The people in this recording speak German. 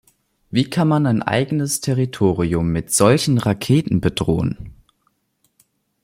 Wie kann man eigenes Territorium mit solchen Raketen bedrohen?